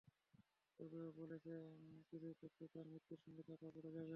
তবে এ-ও বলেছেন, কিছু তথ্য তাঁর মৃত্যুর সঙ্গে চাপাও পড়ে যাবে।